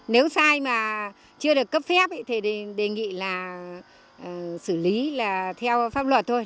nếu sai mà chưa được cấp phép thì đề nghị là xử lý là theo pháp luật thôi